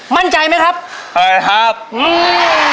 มั่นใจไหมครับใช่ครับอืม